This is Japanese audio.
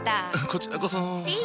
こちらこそ。